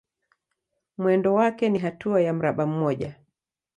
Mwendo wake ni hatua ya mraba mmoja.